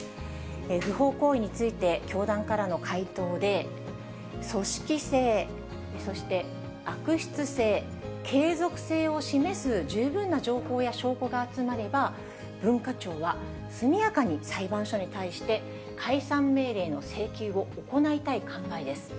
不法行為について、教団からの回答で、組織性、そして悪質性、継続性を示す十分な情報や証拠が集まれば、文化庁は速やかに裁判所に対して、解散命令の請求を行いたい考えです。